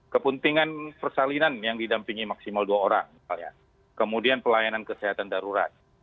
kepentingan persalinan yang didampingi maksimal dua orang kemudian pelayanan kesehatan darurat